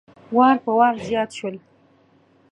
وار په وار زیات شول.